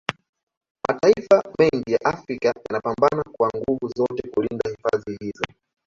Mataifa mengi ya Afrika yanapambana kwa nguvu zote kulinda hifadhi hizo